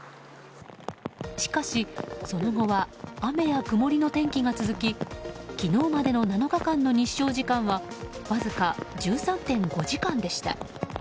しかし、その後は雨や曇りの天気が続き昨日までの７日間の日照時間はわずか１３．５時間でした。